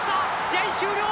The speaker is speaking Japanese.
試合終了！